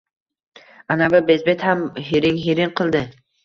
Anavi bezbet ham hiring-hiring qildi